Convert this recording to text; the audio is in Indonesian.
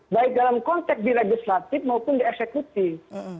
baik dalam konteks di legislatif maupun di eksekutif